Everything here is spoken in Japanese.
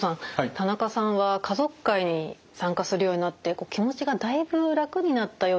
田中さんは家族会に参加するようになって気持ちがだいぶ楽になったようですね。